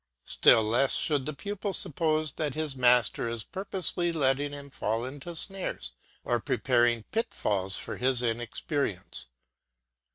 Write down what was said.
Still less should the pupil suppose that his master is purposely letting him fall into snares or preparing pitfalls for his inexperience.